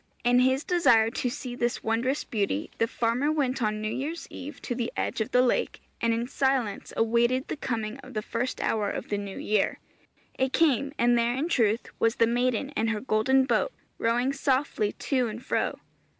In his desire to see this wondrous beauty, the farmer went on New Year's Eve to the edge of the lake, and in silence awaited the coming of the first hour of the new year. It came, and there in truth was the maiden in her golden boat, rowing softly to and fro.